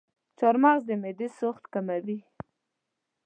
چارمغز د معدې سوخت کموي.